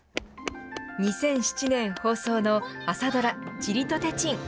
２００７年放送の朝ドラ、ちりとてちん。